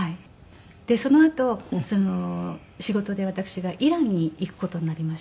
でそのあと仕事で私がイランに行く事になりまして。